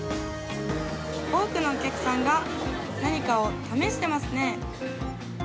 多くのお客さんが何かを試してますね。